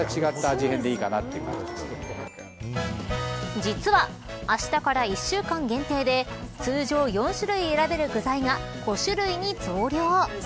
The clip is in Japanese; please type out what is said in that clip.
実は、あしたから１週間限定で通常、４種類選べる具材が５種類に増量。